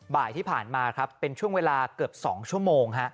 บ่ายที่ผ่านมาครับเป็นช่วงเวลาเกือบ๒ชั่วโมง